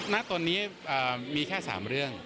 ณตอนนี้มีแค่๓เรื่อง